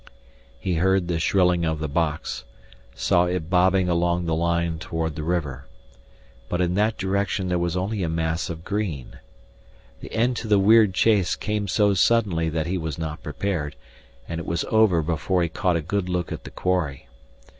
He heard the shrilling of the box, saw it bobbing along a line toward the river. But in that direction there was only a mass of green. The end to the weird chase came so suddenly that he was not prepared, and it was over before he caught a good look at the quarry.